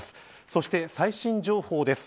そして最新情報です。